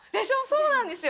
そうなんですよ！